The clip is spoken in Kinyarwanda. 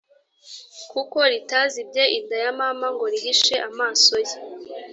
kuko ritazibye inda ya mama ngo rihishe amaso ye